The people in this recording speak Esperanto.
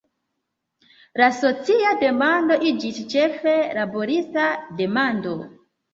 La socia demando iĝis ĉefe laborista demando.